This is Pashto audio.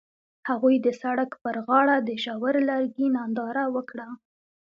هغوی د سړک پر غاړه د ژور لرګی ننداره وکړه.